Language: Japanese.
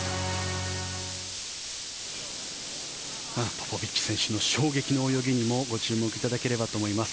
ポポビッチ選手の衝撃の泳ぎにもご注目いただければと思います。